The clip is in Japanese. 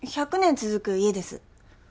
「１００年続く家」です。